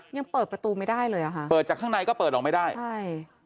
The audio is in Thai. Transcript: ยังเปิดประตูไม่ได้เลยอ่ะค่ะเปิดจากข้างในก็เปิดออกไม่ได้ใช่